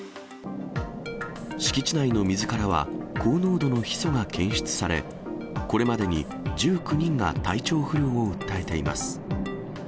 敷地内の水からは、高濃度のヒ素が検出され、これまでに１９人が体調不良を訴えています。